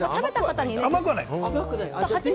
甘くはないです。